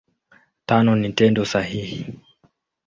Tano ni Tendo sahihi.